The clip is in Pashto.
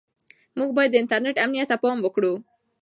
موږ باید د انټرنیټ امنیت ته پام وکړو.